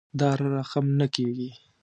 دا رقم نه کیږي